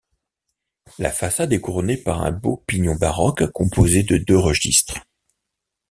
La façade est couronnée par un beau pignon baroque composé de deux registres.